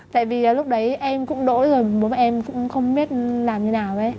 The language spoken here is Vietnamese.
tại vì lúc đấy em cũng đỗ rồi bố mẹ em cũng không biết làm như nào đấy